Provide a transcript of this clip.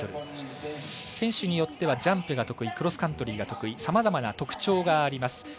選手によってはジャンプが得意クロスカントリーが得意さまざまな特徴があります。